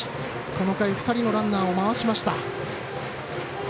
この回２人のランナーを回しました。